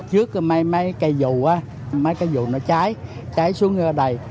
trước mấy cây dù mấy cây dù nó cháy cháy xuống ở đây